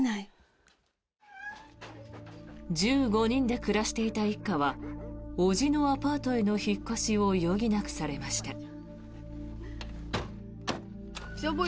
１５人で暮らしていた一家は叔父のアパートへの引っ越しを余儀なくされました。